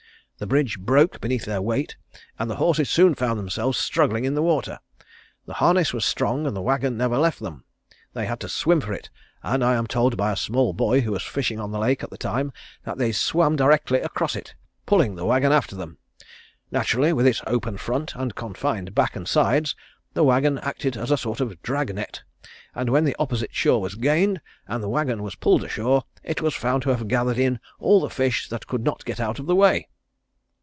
The bridge broke beneath their weight and the horses soon found themselves struggling in the water. The harness was strong and the wagon never left them. They had to swim for it, and I am told by a small boy who was fishing on the lake at the time that they swam directly across it, pulling the wagon after them. Naturally with its open front and confined back and sides the wagon acted as a sort of drag net and when the opposite shore was gained, and the wagon was pulled ashore, it was found to have gathered in all the fish that could not get out of the way."